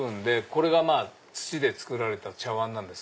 これが土で作られた茶わんなんです。